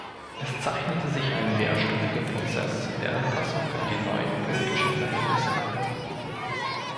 Es zeichnete sich ein mehrstufiger Prozess der Anpassung an die neuen politischen Verhältnisse ab.